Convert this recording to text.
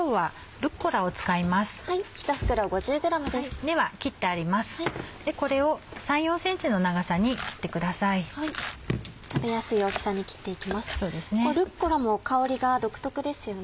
ルッコラも香りが独特ですよね。